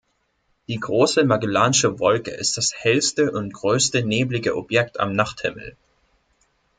Die Große Magellansche Wolke ist das hellste und größte neblige Objekt am Nachthimmel.